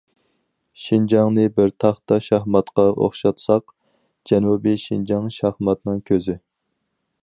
شىنجاڭنى بىر تاختا شاھماتقا ئوخشاتساق، جەنۇبىي شىنجاڭ‹‹ شاھماتنىڭ كۆزى››.